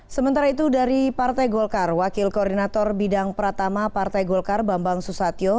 sementara itu dari partai golkar wakil koordinator bidang pratama partai golkar bambang susatyo